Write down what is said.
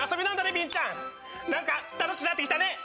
ビンちゃんなんか楽しくなってきたね